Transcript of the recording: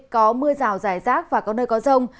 có mưa rào rải rác và có nơi có rông